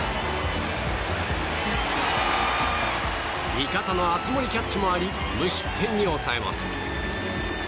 味方の熱盛キャッチもあり無失点に抑えます。